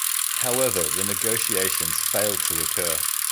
However, the negotiations failed to occur.